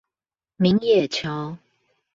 明野橋